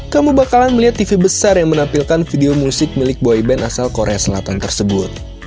kamu bakalan melihat tv besar yang menampilkan video musik milik boyband asal korea selatan tersebut